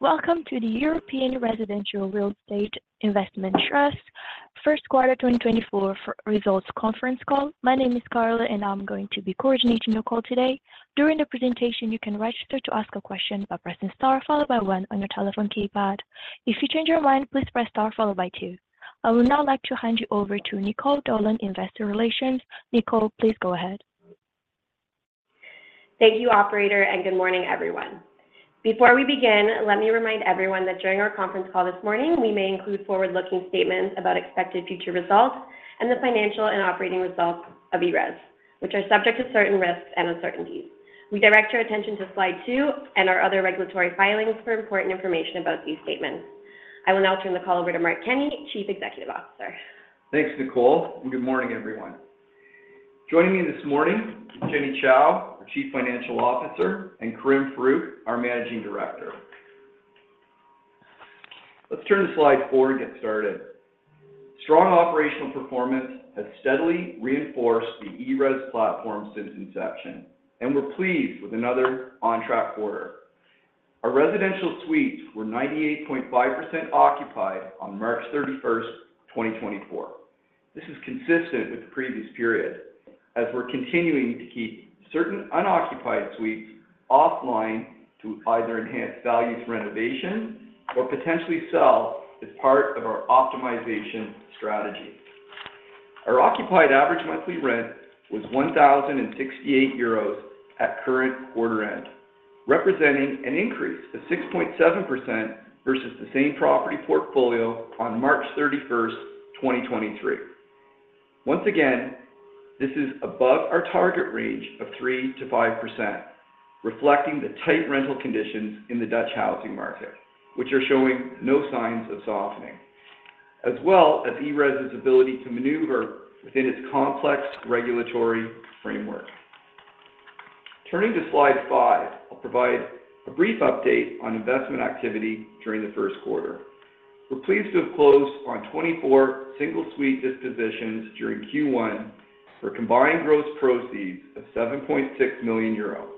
Welcome to the European Residential Real Estate Investment Trust first quarter 2024 results conference call. My name is Carla, and I'm going to be coordinating your call today. During the presentation, you can register to ask a question by pressing star followed by one on your telephone keypad. If you change your mind, please press star followed by two. I would now like to hand you over to Nicole Dolan, investor relations. Nicole, please go ahead. Thank you, operator, and good morning, everyone. Before we begin, let me remind everyone that during our conference call this morning, we may include forward-looking statements about expected future results and the financial and operating results of ERES, which are subject to certain risks and uncertainties. We direct your attention to slide two and our other regulatory filings for important information about these statements. I will now turn the call over to Mark Kenney, Chief Executive Officer. Thanks, Nicole, and good morning, everyone. Joining me this morning, Jenny Chou, our Chief Financial Officer, and Karim Farouk, our Managing Director. Let's turn to slide 4 and get started. Strong operational performance has steadily reinforced the ERES platform since inception, and we're pleased with another on-track quarter. Our residential suites were 98.5% occupied on March 31st, 2024. This is consistent with the previous period, as we're continuing to keep certain unoccupied suites offline to either enhance value through renovation or potentially sell as part of our optimization strategy. Our occupied average monthly rent was 1,068 euros at current quarter end, representing an increase of 6.7% versus the same property portfolio on March 31st, 2023. Once again, this is above our target range of 3%-5%, reflecting the tight rental conditions in the Dutch housing market, which are showing no signs of softening, as well as ERES's ability to maneuver within its complex regulatory framework. Turning to slide five, I'll provide a brief update on investment activity during the first quarter. We're pleased to have closed on 24 single-suite dispositions during Q1 for combined gross proceeds of 7.6 million euro,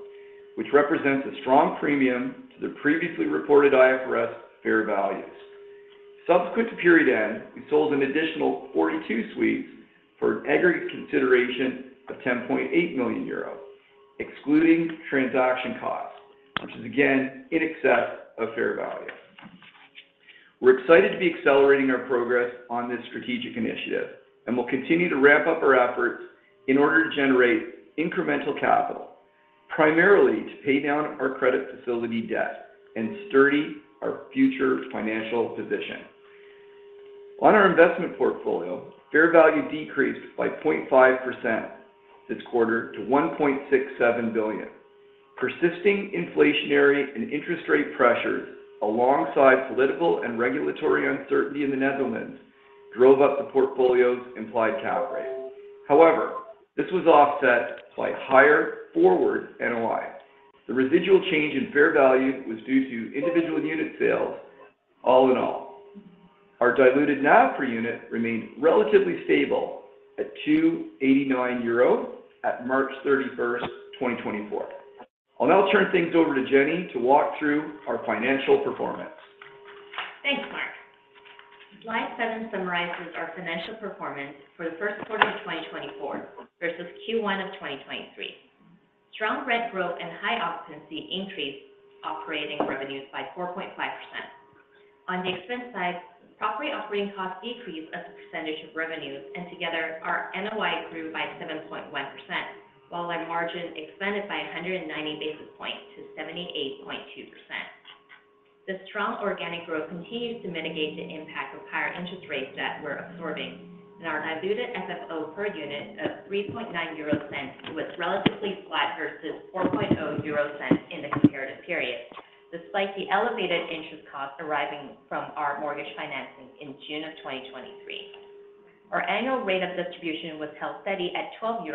which represents a strong premium to the previously reported IFRS fair values. Subsequent to period end, we sold an additional 42 suites for an aggregate consideration of 10.8 million euros, excluding transaction costs, which is again in excess of fair value. We're excited to be accelerating our progress on this strategic initiative, and we'll continue to ramp up our efforts in order to generate incremental capital, primarily to pay down our credit facility debt and strengthen our future financial position. On our investment portfolio, fair value decreased by 0.5% this quarter to 1.67 billion. Persisting inflationary and interest rate pressures, alongside political and regulatory uncertainty in the Netherlands, drove up the portfolio's implied cap rate. However, this was offset by higher forward NOI. The residual change in fair value was due to individual unit sales. All in all, our diluted NAV per unit remained relatively stable at 2.89 million euros at March 31st, 2024. I'll now turn things over to Jenny to walk through our financial performance. Thanks, Mark. Slide seven summarizes our financial performance for the first quarter of 2024 versus Q1 of 2023. Strong rent growth and high occupancy increased operating revenues by 4.5%. On the expense side, property operating costs decreased as a percentage of revenues, and together, our NOI grew by 7.1%, while our margin expanded by 190 basis points to 78.2%. The strong organic growth continues to mitigate the impact of higher interest rates that we're absorbing, and our diluted FFO per unit of 0.039 was relatively flat versus 0.040 in the comparative period, despite the elevated interest costs arising from our mortgage financing in June of 2023. Our annual rate of distribution was held steady at 0.12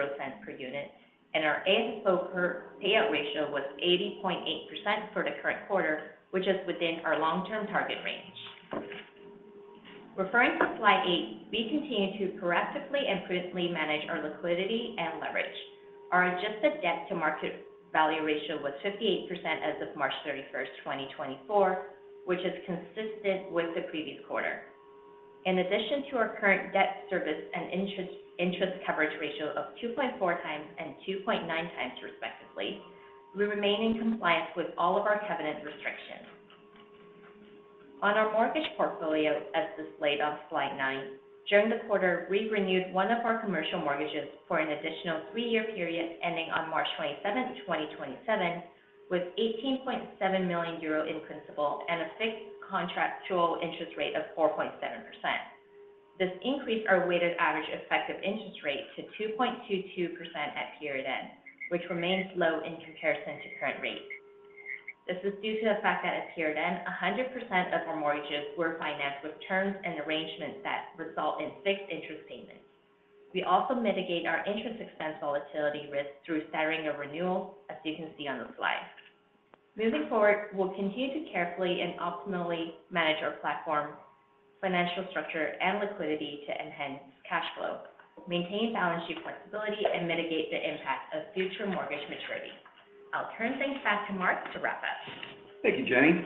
per unit, and our AFFO per payout ratio was 80.8% for the current quarter, which is within our long-term target range. Referring to slide eight, we continue to proactively and prudently manage our liquidity and leverage. Our adjusted debt-to-market value ratio was 58% as of March 31st, 2024, which is consistent with the previous quarter. In addition to our current debt service coverage ratio and interest coverage ratio of 2.4x and 2.9x, respectively, we remain in compliance with all of our covenant restrictions. On our mortgage portfolio, as displayed on slide nine, during the quarter, we renewed one of our commercial mortgages for an additional three-year period ending on March 27th, 2027, with 18.7 million euro in principal and a fixed contractual interest rate of 4.7%. This increased our weighted average effective interest rate to 2.22% at period end, which remains low in comparison to current rates. This is due to the fact that at period end, 100% of our mortgages were financed with terms and arrangements that result in fixed interest payments. We also mitigate our interest expense volatility risk through staggering a renewal, as you can see on the slide. Moving forward, we'll continue to carefully and optimally manage our platform. financial structure and liquidity to enhance cash flow, maintain balance sheet flexibility, and mitigate the impact of future mortgage maturities. I'll turn things back to Mark to wrap up. Thank you, Jenny.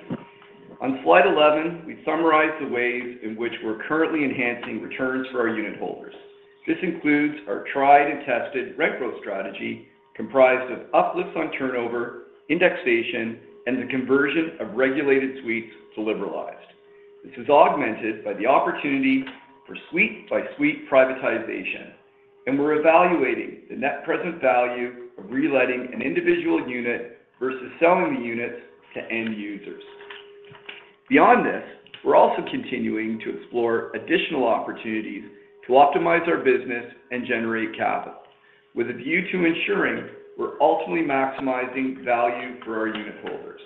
On slide 11, we've summarized the ways in which we're currently enhancing returns for our unit holders. This includes our tried and tested rent growth strategy, comprised of uplifts on turnover, indexation, and the conversion of regulated suites to liberalized. This is augmented by the opportunity for suite-by-suite privatization, and we're evaluating the net present value of reletting an individual unit versus selling the units to end users. Beyond this, we're also continuing to explore additional opportunities to optimize our business and generate capital, with a view to ensuring we're ultimately maximizing value for our unit holders.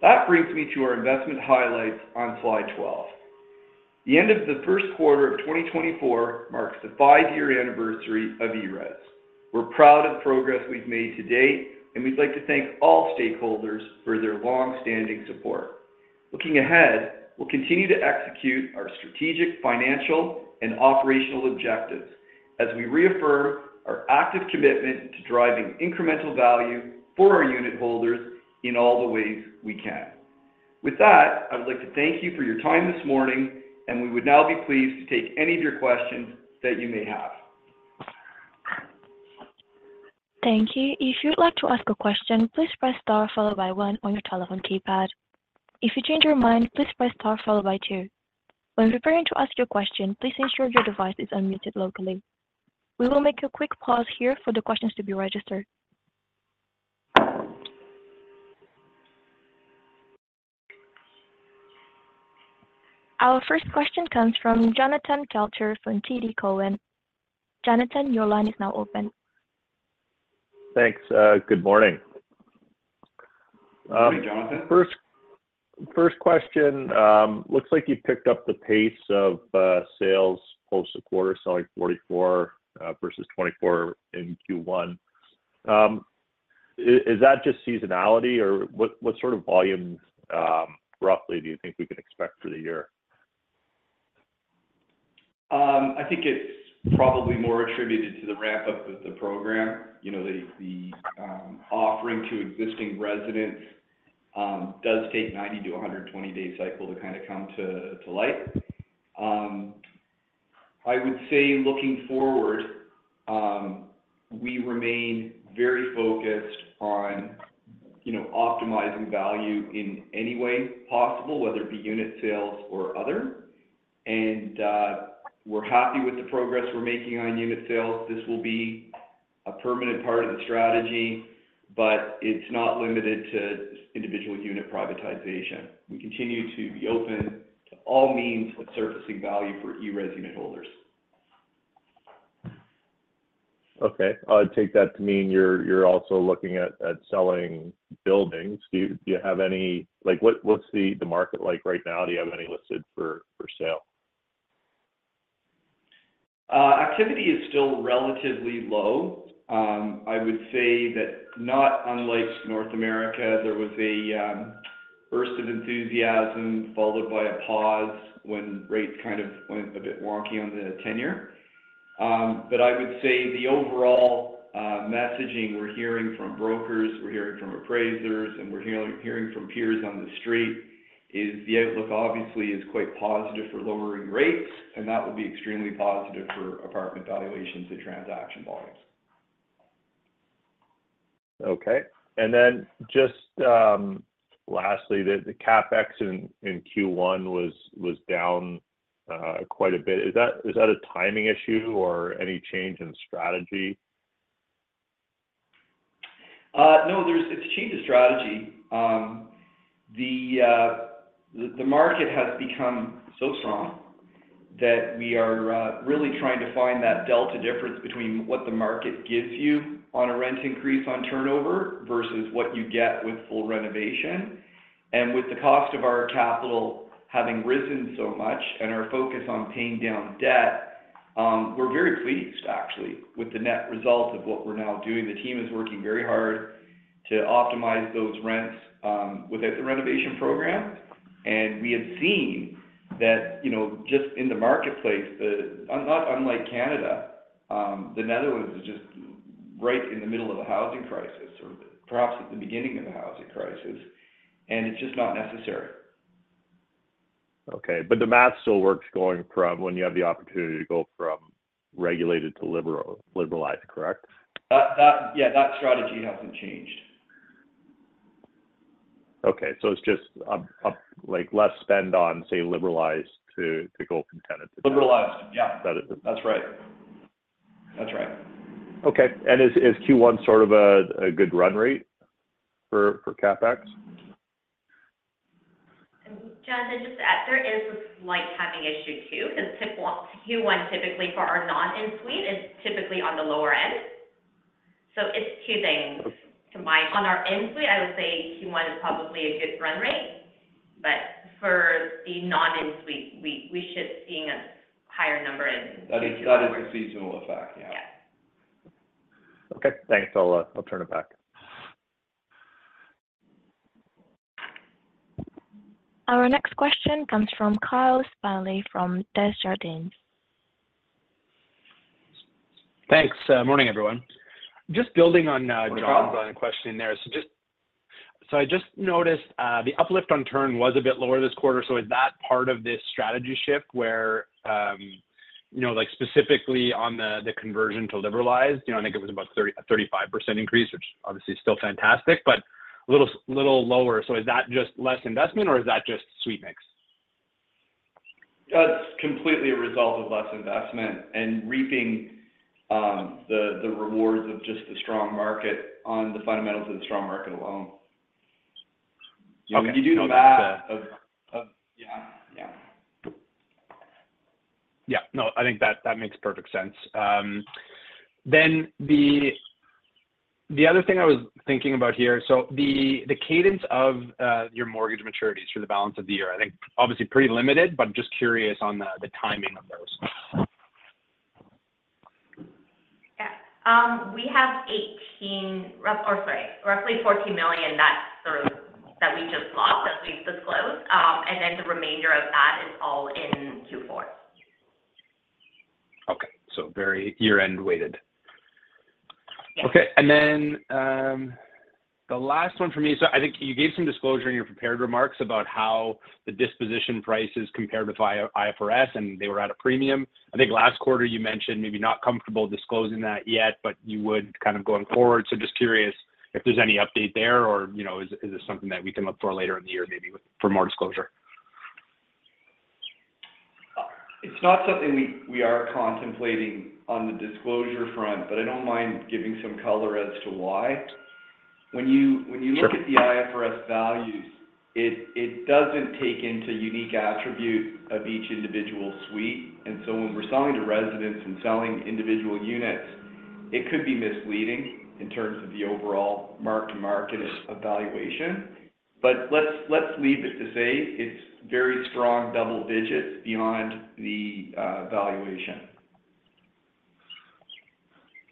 That brings me to our investment highlights on slide 12. The end of the first quarter of 2024 marks the five-year anniversary of ERES. We're proud of the progress we've made to date, and we'd like to thank all stakeholders for their long-standing support. Looking ahead, we'll continue to execute our strategic, financial, and operational objectives as we reaffirm our active commitment to driving incremental value for our unit holders in all the ways we can. With that, I would like to thank you for your time this morning, and we would now be pleased to take any of your questions that you may have. Thank you. If you'd like to ask a question, please press star followed by one on your telephone keypad. If you change your mind, please press star followed by two. When preparing to ask your question, please ensure your device is unmuted locally. We will make a quick pause here for the questions to be registered. Our first question comes from Jonathan Kelcher from TD Cowen. Jonathan, your line is now open. Thanks. Good morning. Good morning, Jonathan. First, first question, looks like you picked up the pace of sales post a quarter, selling 44 versus 24 in Q1. Is that just seasonality, or what sort of volumes, roughly, do you think we can expect for the year? I think it's probably more attributed to the ramp-up of the program. You know, the offering to existing residents does take 90- to 120-day cycle to kind of come to light. I would say looking forward, we remain very focused on, you know, optimizing value in any way possible, whether it be unit sales or other, and we're happy with the progress we're making on unit sales. This will be a permanent part of the strategy, but it's not limited to individual unit privatization. We continue to be open to all means of surfacing value for ERES unit holders. Okay. I'll take that to mean you're also looking at selling buildings. Do you have any... Like, what's the market like right now? Do you have any listed for sale? Activity is still relatively low. I would say that not unlike North America, there was a burst of enthusiasm, followed by a pause when rates kind of went a bit wonky on the 10-year. But I would say the overall messaging we're hearing from brokers, we're hearing from appraisers, and we're hearing from peers on the street, is the outlook obviously is quite positive for lowering rates, and that will be extremely positive for apartment valuations and transaction volumes. Okay. And then just, lastly, the CapEx in Q1 was down quite a bit. Is that a timing issue or any change in strategy? No, there's... It's a change of strategy. The market has become so strong that we are really trying to find that delta difference between what the market gives you on a rent increase on turnover versus what you get with full renovation. And with the cost of our capital having risen so much and our focus on paying down debt, we're very pleased, actually, with the net result of what we're now doing. The team is working very hard to optimize those rents without the renovation program, and we have seen that, you know, just in the marketplace, unlike Canada, the Netherlands is just right in the middle of a housing crisis or perhaps at the beginning of a housing crisis, and it's just not necessary. Okay, but the math still works going from when you have the opportunity to go from regulated to liberalized, correct? Yeah, that strategy hasn't changed. Okay. So it's just, like less spend on, say, liberalized to go from tenants- Liberalized, yeah. That is- That's right. That's right. Okay. And is Q1 sort of a good run rate for CapEx? John, just to add, there is a slight timing issue, too, 'cause Q1 typically for our non in-suite is typically on the lower end, so it's two things combined. On our in-suite, I would say Q1 is probably a good run rate, but for the non in-suite, we should be seeing a higher number in- That is, that is the seasonal effect. Yeah. Okay. Thanks. I'll, I'll turn it back. Our next question comes from Kyle Smiley from Desjardins. Thanks. Morning, everyone. Just building on, John- Good morning, Kyle. -on a question in there. So just... So I just noticed, the uplift on turnover was a bit lower this quarter. So is that part of this strategy shift where, you know, like, specifically on the, the conversion to liberalized? You know, I think it was about 30, a 35% increase, which obviously is still fantastic, but a little, little lower. So is that just less investment or is that just suite mix? That's completely a result of less investment and reaping the rewards of just the strong market on the fundamentals of the strong market alone. Okay. You do the math. Yeah. Yeah. Yeah. No, I think that makes perfect sense. Then the other thing I was thinking about here, so the cadence of your mortgage maturities for the balance of the year, I think obviously pretty limited, but I'm just curious on the timing of those. Yeah. We have roughly 14 million. That's the that we just lost that we've disclosed. And then the remainder of that is all in Q4. Okay. So very year-end weighted. Yeah. Okay. And then, the last one for me. So I think you gave some disclosure in your prepared remarks about how the disposition prices compared with IFRS, and they were at a premium. I think last quarter you mentioned maybe not comfortable disclosing that yet, but you would kind of going forward. So just curious if there's any update there or, you know, is, is this something that we can look for later in the year, maybe with-- for more disclosure? It's not something we are contemplating on the disclosure front, but I don't mind giving some color as to why. Sure. When you look at the IFRS values, it doesn't take into unique attribute of each individual suite. And so when we're selling to residents and selling individual units, it could be misleading in terms of the overall mark-to-market evaluation. But let's leave it to say it's very strong double digits beyond the valuation.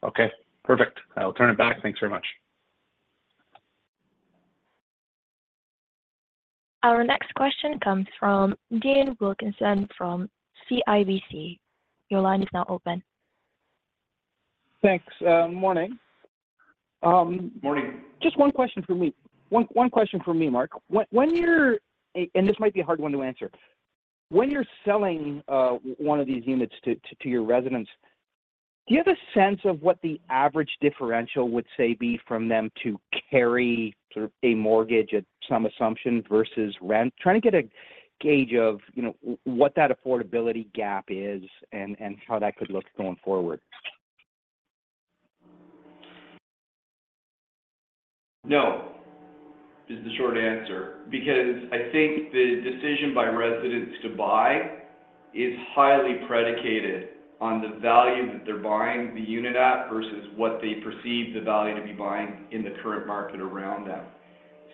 Okay, perfect. I'll turn it back. Thanks very much. Our next question comes from Dean Wilkinson from CIBC. Your line is now open. Thanks. Morning. Morning. Just one question for me. One, one question for me, Mark. When, when you're... and this might be a hard one to answer. When you're selling one of these units to, to, to your residents, do you have a sense of what the average differential would, say, be from them to carry sort of a mortgage at some assumption versus rent? Trying to get a gauge of, you know, what that affordability gap is and, and how that could look going forward. No is the short answer. Because I think the decision by residents to buy is highly predicated on the value that they're buying the unit at versus what they perceive the value to be buying in the current market around them.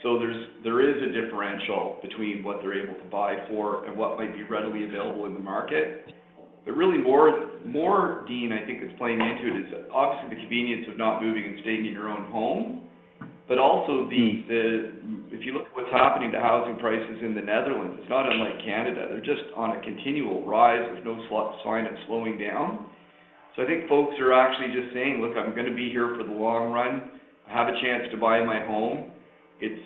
So there is a differential between what they're able to buy for and what might be readily available in the market. But really, more, Dean, I think is playing into it, is obviously the convenience of not moving and staying in your own home, but also the, if you look at what's happening to housing prices in the Netherlands, it's not unlike Canada. They're just on a continual rise. There's no sign of slowing down. So I think folks are actually just saying: Look, I'm going to be here for the long run. I have a chance to buy my home. It's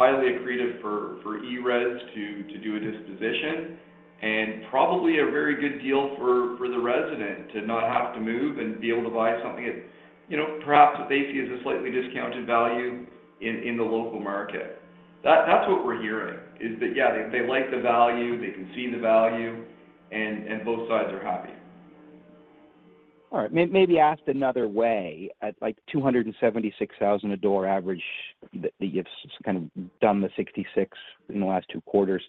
highly accretive for ERES to do a disposition, and probably a very good deal for the resident to not have to move and be able to buy something at, you know, perhaps what they see as a slightly discounted value in the local market. That's what we're hearing is that, yeah, they like the value, they can see the value, and both sides are happy. All right. Maybe asked another way, at, like, 276,000 a door average, that you've just kind of done the 66 in the last two quarters,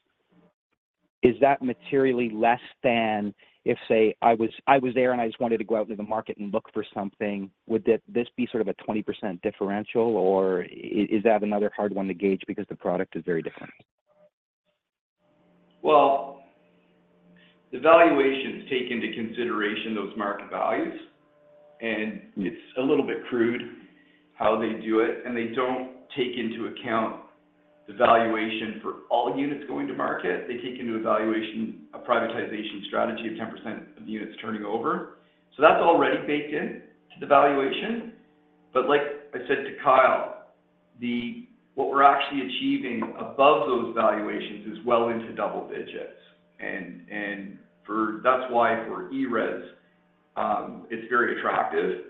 is that materially less than if, say, I was there and I just wanted to go out into the market and look for something, would that this be sort of a 20% differential, or is that another hard one to gauge because the product is very different? Well, the valuations take into consideration those market values, and it's a little bit crude how they do it, and they don't take into account the valuation for all units going to market. They take into the evaluation a privatization strategy of 10% of the units turning over. So that's already baked into the valuation. But like I said to Kyle, the-- what we're actually achieving above those valuations is well into double digits. And for... That's why for ERES, it's very attractive.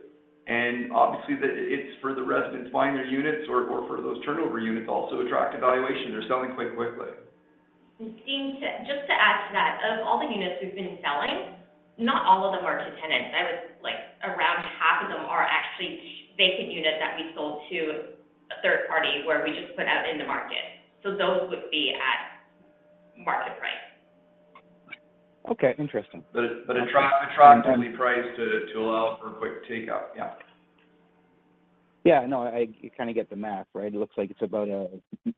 And obviously, that it's for the residents buying their units or, or for those turnover units, also attractive valuation. They're selling quite quickly. And Dean, just to add to that, of all the units we've been selling, not all of them are to tenants. I would like, around half of them are actually vacant units that we sold to a third party, where we just put out in the market. So those would be at market price. Okay, interesting. But attractively priced to allow for a quick takeout. Yeah. Yeah. No, I, you kinda get the math, right? It looks like it's about a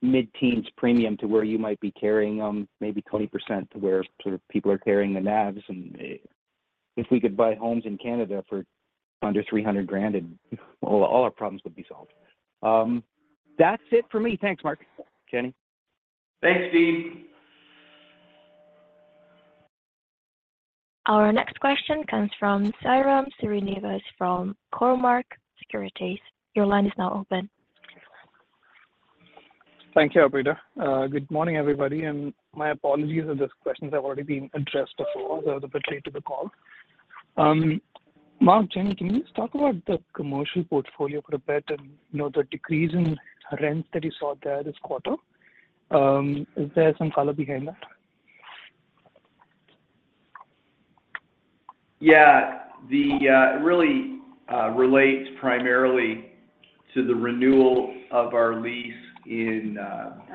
mid-teens premium to where you might be carrying them, maybe 20% to where sort of people are carrying the NAVs, and if we could buy homes in Canada for under 300,000, all our problems would be solved. That's it for me. Thanks, Mark. Jenny? Thanks, Dean. Our next question comes from Sairam Srinivas from Cormark Securities. Your line is now open. Thank you, operator. Good morning, everybody, and my apologies if these questions have already been addressed before. I was a bit late to the call. Mark, Jenny, can you just talk about the commercial portfolio for a bit, and, you know, the decrease in rents that you saw there this quarter? Is there some color behind that? Yeah. It really relates primarily to the renewal of our lease in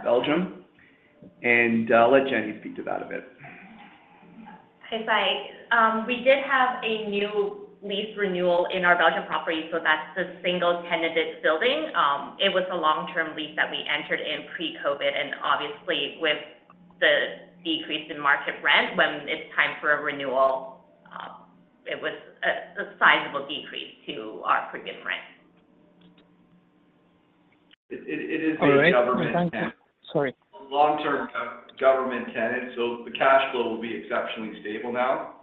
Belgium. I'll let Jenny speak to that a bit. Hey, Sai. We did have a new lease renewal in our Belgium property, so that's a single-tenanted building. It was a long-term lease that we entered in pre-COVID, and obviously, with the decrease in market rent, when it's time for a renewal, it was a sizable decrease to our previous rent. It is a government- All right. Thank you. Sorry. Long-term government tenant, so the cash flow will be exceptionally stable now.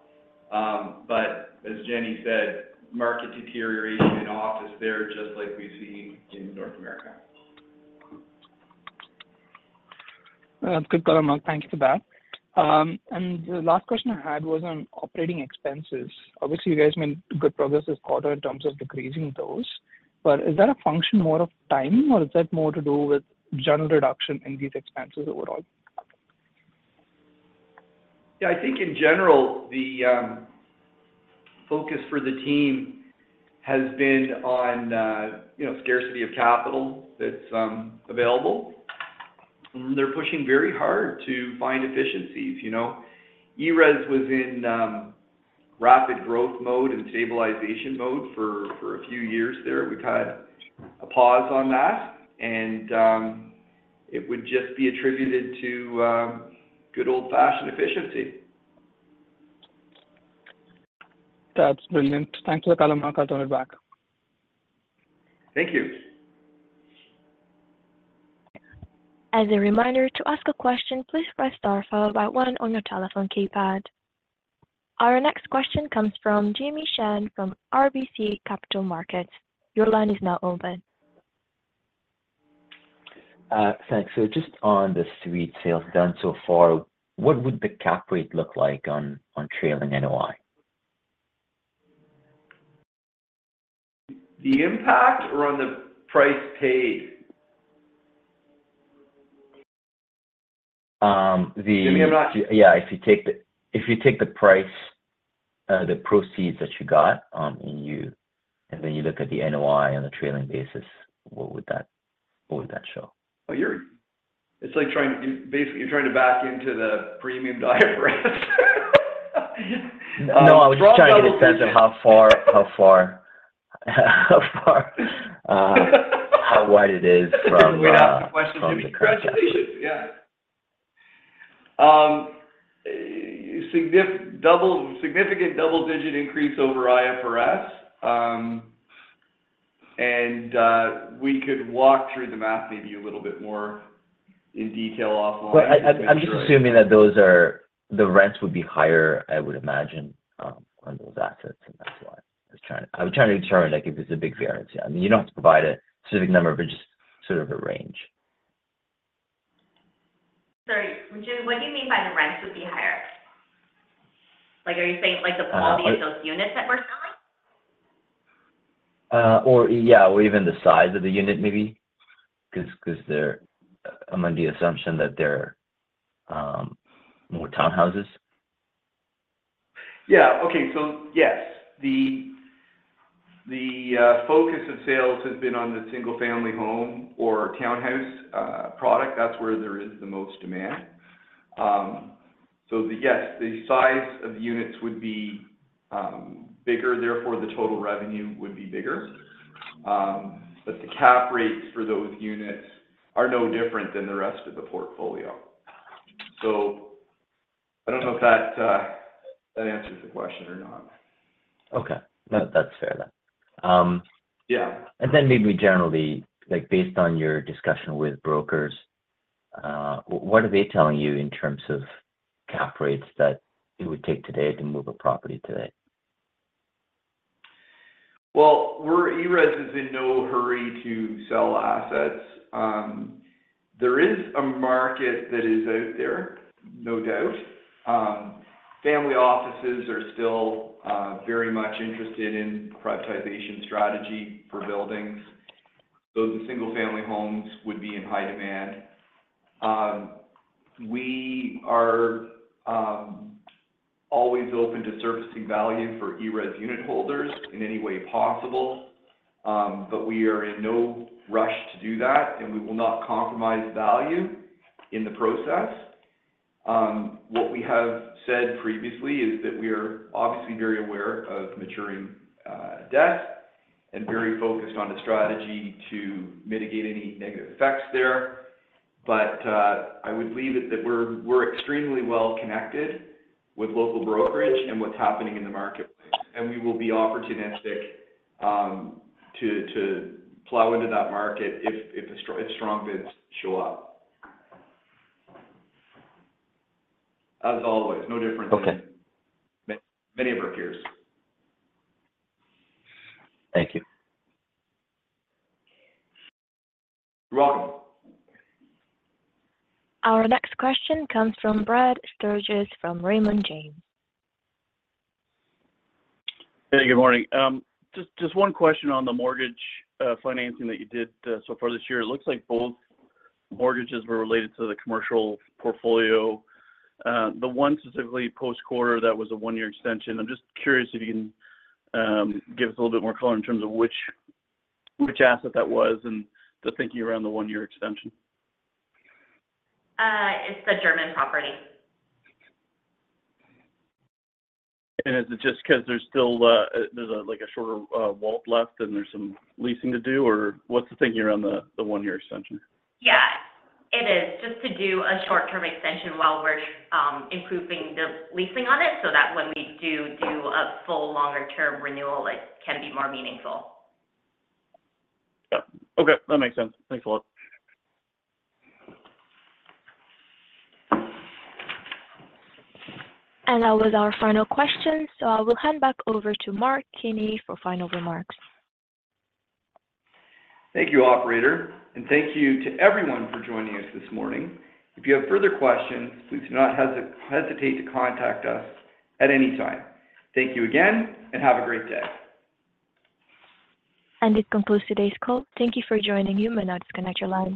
But as Jenny said, market deterioration in office there, just like we've seen in North America. Good call, Mark. Thank you for that. And the last question I had was on operating expenses. Obviously, you guys made good progress this quarter in terms of decreasing those, but is that a function more of timing, or is that more to do with general reduction in these expenses overall? Yeah, I think in general, the focus for the team has been on, you know, scarcity of capital that's available. They're pushing very hard to find efficiencies. You know, ERES was in rapid growth mode and stabilization mode for a few years there. We've had a pause on that, and it would just be attributed to good old-fashioned efficiency. That's brilliant. Thanks for the call, Mark. I'll turn it back. Thank you. As a reminder, to ask a question, please press star followed by one on your telephone keypad. Our next question comes from Jimmy Shan from RBC Capital Markets. Your line is now open. Thanks. Just on the suite sales done so far, what would the Cap Rate look like on trailing NOI? The impact or on the price paid? Um, the- Jamie, I'm not- Yeah, if you take the price, the proceeds that you got, and then you look at the NOI on a trailing basis, what would that show? It's like trying... Basically, you're trying to back into the premium to IFRS. No, I was just trying to get a sense of how far, how wide it is from the current situation. Yeah. Significant double-digit increase over IFRS. And we could walk through the math maybe a little bit more in detail offline. Well, I'm just assuming that those are the rents would be higher, I would imagine, on those assets, and that's why I was trying to. I'm trying to determine, like, if there's a big variance. I mean, you don't have to provide a specific number but just sort of a range. Sorry, Jim, what do you mean by the rents would be higher? Like, are you saying, like, the quality of those units that we're selling? Or yeah, or even the size of the unit, maybe, 'cause they're under the assumption that they're more townhouses. Yeah. Okay, so yes, the focus of sales has been on the single-family home or townhouse product. That's where there is the most demand. So yes, the size of the units would be bigger, therefore, the total revenue would be bigger. But the cap rates for those units are no different than the rest of the portfolio. So I don't know if that answers the question or not. Okay. No, that's fair then. Yeah. And then maybe generally, like, based on your discussion with brokers, what are they telling you in terms of cap rates that it would take today to move a property today? Well, ERES is in no hurry to sell assets. There is a market that is out there, no doubt. Family offices are still very much interested in privatization strategy for buildings. So the single-family homes would be in high demand. We are always open to servicing value for ERES unitholders in any way possible, but we are in no rush to do that, and we will not compromise value in the process. What we have said previously is that we are obviously very aware of maturing debt and very focused on a strategy to mitigate any negative effects there. But I would leave it that we're extremely well connected with local brokerage and what's happening in the marketplace, and we will be opportunistic to plow into that market if strong bids show up. As always, no different than- Okay. many of our peers. Thank you. You're welcome. Our next question comes from Brad Sturges, from Raymond James. Hey, good morning. Just, just one question on the mortgage financing that you did so far this year. It looks like both mortgages were related to the commercial portfolio. The one specifically post-quarter, that was a one-year extension. I'm just curious if you can give us a little bit more color in terms of which, which asset that was and the thinking around the one-year extension? It's the German property. Is it just because there's still a shorter term left, and there's some leasing to do, or what's the thinking around the one-year extension? Yeah. It is. Just to do a short-term extension while we're improving the leasing on it, so that when we do a full longer-term renewal, it can be more meaningful. Yeah. Okay, that makes sense. Thanks a lot. That was our final question, so I will hand back over to Mark Kenney for final remarks. Thank you, operator, and thank you to everyone for joining us this morning. If you have further questions, please do not hesitate to contact us at any time. Thank you again, and have a great day. This concludes today's call. Thank you for joining. You may now disconnect your lines.